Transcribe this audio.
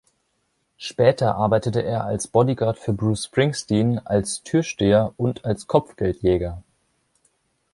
Später arbeitete er als Bodyguard für Bruce Springsteen, als Türsteher und als Kopfgeldjäger.